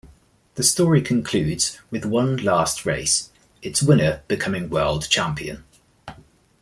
The story concludes with one last race, its winner becoming world champion.